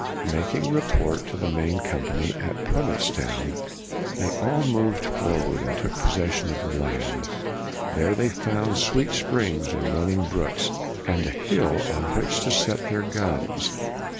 Mak ing report to the main company at Prov incetown, they all moved forward and took possession of the land. There they found sweet springs and running brooks, and a hill on which to set their guns.